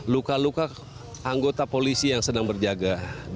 luka luka anggota polisi yang sedang berjaga